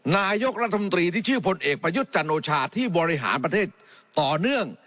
นายกรัฐมนตรีที่ชื่อพลเอกประยุทธ์จันโอชาที่บริหารประเทศต่อเนื่อง